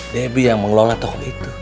debbie yang mengelola toko itu